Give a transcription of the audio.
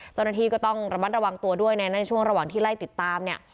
เจ้าหน้าที่ก็ต้องระมัดระวังตัวด้วยในช่วงระหว่างที่ไล่ติดตามเนี่ย